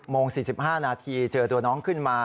โมง๔๕นาทีเจอตัวน้องขึ้นมา